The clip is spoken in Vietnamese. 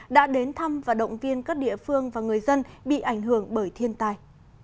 đã đến thăm và động viên các địa phương và người dân bị ảnh hưởng bởi thiên tài